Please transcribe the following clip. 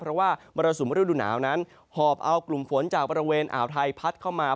เพราะว่ามรสุมฤดูหนาวนั้นหอบเอากลุ่มฝนจากบริเวณอ่าวไทยพัดเข้ามา